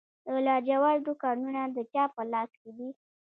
د لاجوردو کانونه د چا په لاس کې دي؟